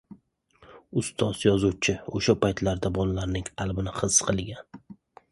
Ustoz yozuvchi o‘sha paytlarda bolalarning qalbini his qilgan